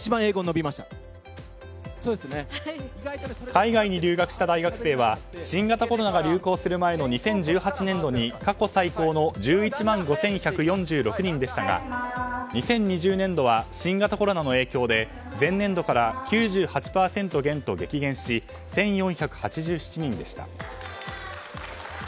海外に留学した大学生は新型コロナが流行する前の２０１８年度に過去最高の１１万５１４６人でしたが２０２０年度は新型コロナの影響で前年度から９８％減と激減し１４８７人でした。